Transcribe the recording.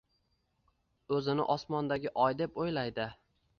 O`zini osmondagi oy, deb o`ylaydi